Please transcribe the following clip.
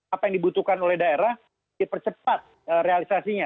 apa yang dibutuhkan oleh daerah dipercepat realisasinya